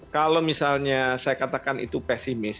kalau misalnya saya katakan itu pesimis